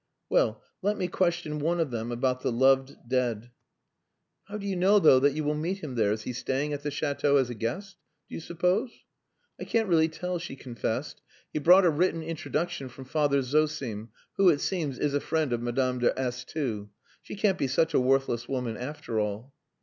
Well, let me question one of them about the loved dead." "How do you know, though, that you will meet him there? Is he staying in the Chateau as a guest do you suppose?" "I can't really tell," she confessed. "He brought a written introduction from Father Zosim who, it seems, is a friend of Madame de S too. She can't be such a worthless woman after all."